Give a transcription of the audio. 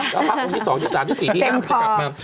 แล้วพระองค์ที่สองที่สามที่สี่ที่ห้ามันจะกลับมา